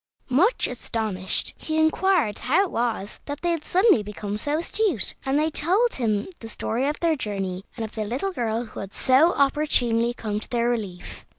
Much astonished, he inquired how it was that they had suddenly become so astute, and they told him the story of their journey, and of the little girl who had so opportunely come to their relief.